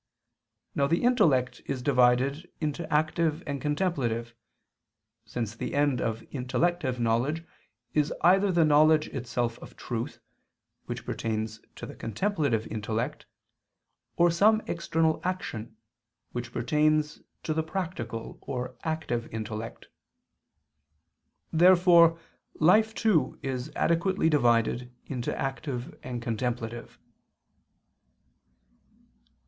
Now the intellect is divided into active and contemplative, since the end of intellective knowledge is either the knowledge itself of truth, which pertains to the contemplative intellect, or some external action, which pertains to the practical or active intellect. Therefore life too is adequately divided into active and contemplative.